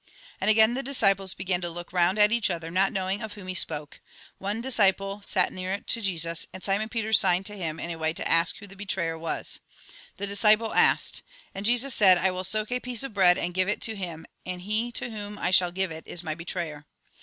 And again the disciples began to look round at each other, not knowing of whom he spoke. One disciiile sat near to Jesus, and Simon Peter signed to him iu a way to ask who the betrayer was. The disciple asked. And Jesus said :" I will soak a piece of bread, and give it to him ; and he to whom I shall give it is my betrayer."